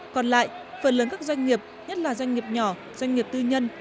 còn lại phần lớn các doanh nghiệp nhất là doanh nghiệp nhỏ doanh nghiệp tư nhân